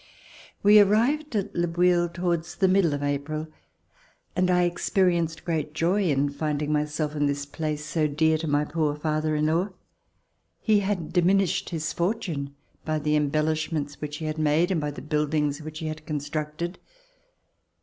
We finally arrived at Le Bouilh towards the mid dle of April, and I experienced great joy in finding myself in this place so dear to my poor father in law. He had diminished his fortune by the embel lishments which he had made and by the buildings which he had constructed.